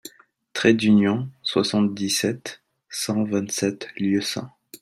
Trait d'Union, soixante-dix-sept, cent vingt-sept Lieusaint